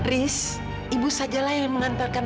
begitu banyak laparian nggak lupablack taxes